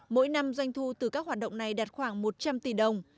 mỗi năm doanh thu từ các hoạt động này đạt khoảng một trăm linh tỷ đồng